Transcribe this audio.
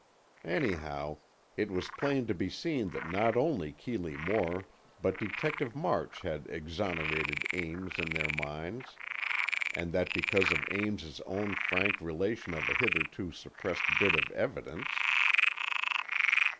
Anyhow, it was plain to be seen that not only Keeley Moore but Detective March had exonerated Ames in their minds, and that because of Ames's own frank relation of a hitherto suppressed bit of evidence.